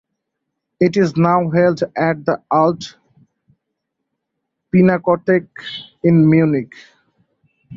It is now held at the Alte Pinakothek in Munich.